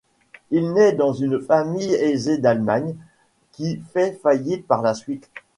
Il naît dans une famille aisée d'Allemagne, qui fait faillite par la suite.